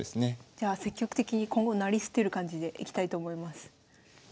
じゃあ積極的に今後成り捨てる感じでいきたいと思います。